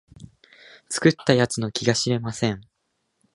作った奴の気が知れません